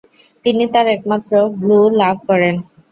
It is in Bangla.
তিনি তার একমাত্র ব্লু লাভ করেন।